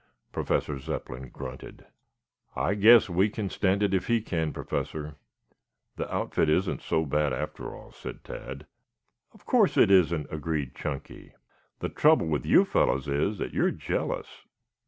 Professor Zepplin grunted. "I guess we can stand it if he can, Professor. The outfit isn't so bad, after all," said Tad. "Of course it isn't," agreed Chunky. "The trouble with you fellows is that you are jealous."